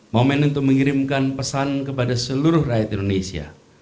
momen untuk mengirimkan pesan kepada seluruh rakyat indonesia